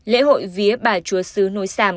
lễ hội vía bà chúa sứ núi sam